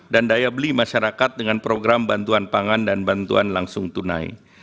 dan daya beli masyarakat dengan program bantuan pangan dan bantuan langsung tunai